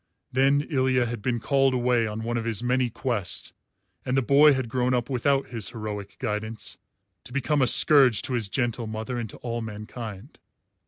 Then Ilya had been called away on one of his many quests, and the boy had grown up without his heroic guidance to become a scourge to his gentle mother and to all mankind.